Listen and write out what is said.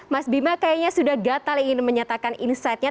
mas bima kayaknya sudah gatal ingin menyatakan insightnya